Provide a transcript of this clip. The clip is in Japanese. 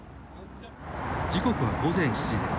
時刻は午前７時です。